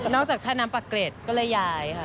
นอกจากท่าน้ำปัรเขรตก็เลยยายค่ะ